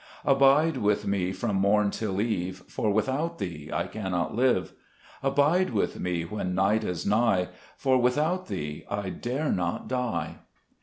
3 Abide with me from morn till eve, For without Thee I cannot live ; Abide with me when night is nigh, For without Thee I dare not die.